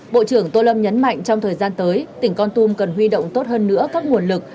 bộ trưởng tô lâm nhấn mạnh trong thời gian tới tỉnh con tum cần huy động tốt hơn nữa các nguồn lực